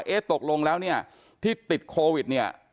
เฮ้ตกลงแล้วที่ติดโควิดเนี่ย